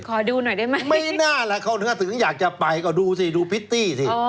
ขอดูหน่อยได้ไหมไม่น่าแหละเขาเนื้อถึงอยากจะไปก็ดูสิดูพิตตี้สิ